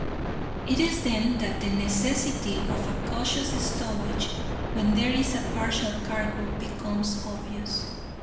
It is then that the necessity of a cautious stowage, when there is a partial cargo, becomes obvious.